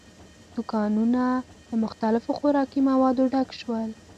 دوکانونه له مختلفو خوراکي موادو ډک ول.